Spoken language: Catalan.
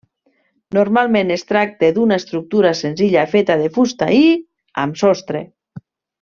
Normalment es tracte d'una estructura senzilla feta de fusta i amb sostre.